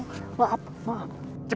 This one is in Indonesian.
tidak satu catastrophe